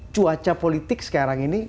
cuaca politik sekarang ini